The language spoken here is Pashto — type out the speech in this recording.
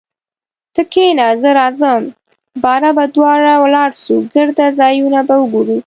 ته کښینه زه راځم باره به دواړه ولاړسو ګرده ځایونه به وګورو